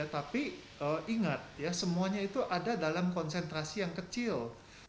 tapi ingat ya semuanya itu ada dalam konsentrasi yang kecil